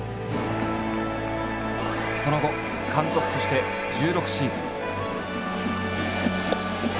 その後監督として１６シーズン。